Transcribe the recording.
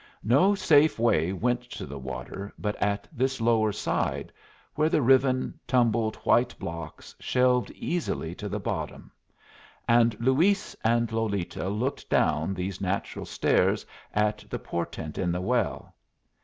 No safe way went to the water but at this lower side, where the riven, tumbled white blocks shelved easily to the bottom; and Luis and Lolita looked down these natural stairs at the portent in the well.